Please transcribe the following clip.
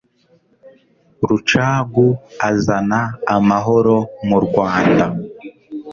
rucagu azana amahoro mu rwanda